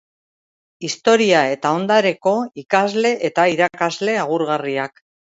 Historia eta Ondareko ikasle eta irakasle agurgarriak.